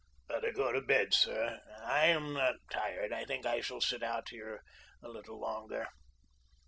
"Better go to bed, sir. I am not tired. I think I shall sit out here a little longer."